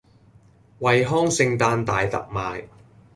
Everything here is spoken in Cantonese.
惠康聖誕大特賣